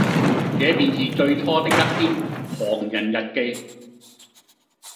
這便是最初的一篇《狂人日記》。